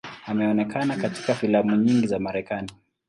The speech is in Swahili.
Ameonekana katika filamu nyingi za Marekani.